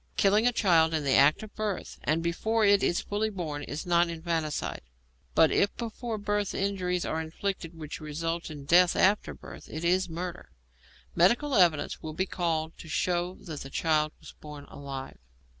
Killing a child in the act of birth and before it is fully born is not infanticide, but if before birth injuries are inflicted which result in death after birth, it is murder. Medical evidence will be called to show that the child was born alive.